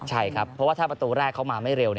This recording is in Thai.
ใช่ครับเพราะว่าถ้าประตูแรกเขามาไม่เร็ว